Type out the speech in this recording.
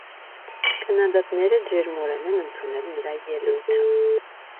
Քննադատները ջերմորեն են ընդունել նրա ելույթը։